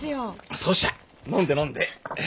そしゃ飲んで飲んで。